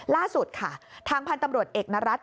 ล่าสุดค่ะทางพันธ์ตำรวจเอกนรัฐ